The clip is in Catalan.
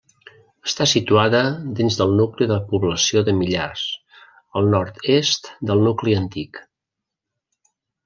Està situada dins del nucli de població de Millars, al nord-est del nucli antic.